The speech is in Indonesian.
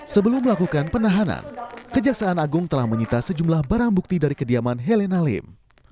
sebelum melakukan penahanan kejaksaan agung telah menyita sejumlah barang bukti dari kediaman helena lim